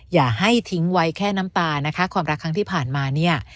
อย่าให้ทิ้งไว้แค่น้ำตานะคะความรักครั้งที่ผ่านมาเนี่ย